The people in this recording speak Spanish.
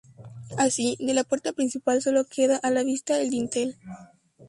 Así, de la puerta principal sólo queda a la vista el dintel.